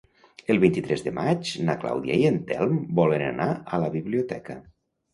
El vint-i-tres de maig na Clàudia i en Telm volen anar a la biblioteca.